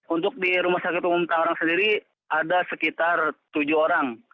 untuk di rumah sakit umum tangerang sendiri ada sekitar tujuh orang